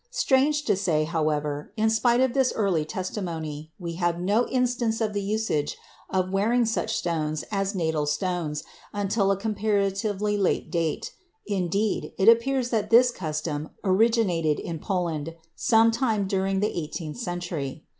Strange to say, however, in spite of this early testimony, we have no instance of the usage of wearing such stones as natal stones until a comparatively late date; indeed, it appears that this custom originated in Poland some time during the eighteenth century.